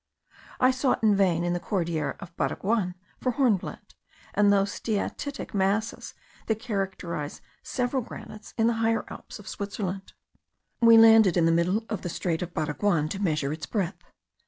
I sought in vain, in the Cordillera of Baraguan, for hornblende, and those steatitic masses that characterise several granites of the Higher Alps in Switzerland. We landed in the middle of the strait of Baraguan to measure its breadth.